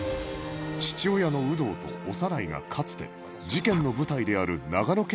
父親の有働と小山内がかつて事件の舞台である長野県